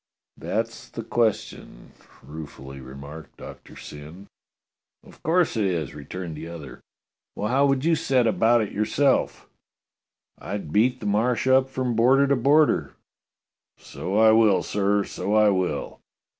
"That's the question," ruefully remarked Doctor Syn. DOCTOR SYN HAS A "CALL" 233 *'0f course it is," returned the other. "Well, how would you set about it yourself? " "I'd beat the Marsh up from border to border." " So I will, sir, so I will